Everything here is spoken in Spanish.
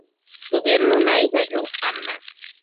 Tuvieron una hija, Joanna.